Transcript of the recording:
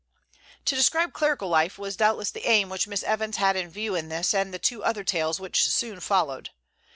'" To describe clerical life was doubtless the aim which Miss Evans had in view in this and the two other tales which soon followed.